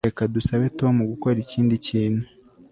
Reka dusabe Tom gukora ikindi kintu